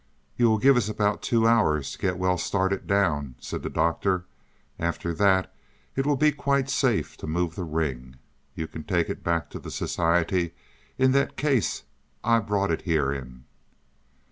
"You will give us about two hours to get well started down," said the Doctor. "After that it will be quite safe to move the ring. You can take it back to the Society in that case I brought it here in."